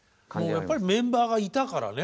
やっぱりメンバーがいたからね。